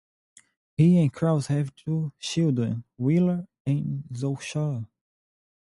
He and Crouse have two children, Willa and Zosia.